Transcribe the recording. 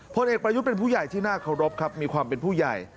พลเอกประยุทธ์เป็นผู้ใหญ่ที่น่าเคารพครับมีความเป็นผู้ใหญ่